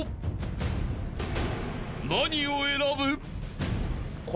［何を選ぶ？］